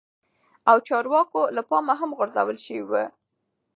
او چارواکو له پا مه هم غور ځول شوي وه